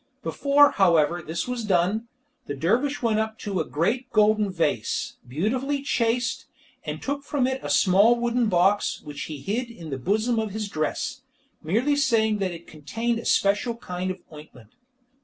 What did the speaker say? Before, however, this was done, the dervish went up to a great golden vase, beautifully chased, and took from it a small wooden box, which he hid in the bosom of his dress, merely saying that it contained a special kind of ointment.